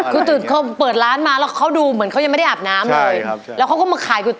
คือตื่นเขาเปิดร้านมาแล้วเขาดูเหมือนเขายังไม่ได้อาบน้ำเลย